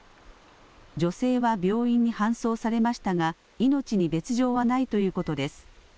女性は病院に搬送されましたが命に別状はないということです。